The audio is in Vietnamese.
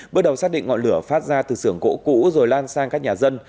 bước đầu xác định ngọn lửa phát ra từ sưởng gỗ cũ rồi lan sang các nhà dân